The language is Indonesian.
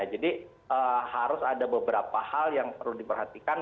jadi harus ada beberapa hal yang perlu diperhatikan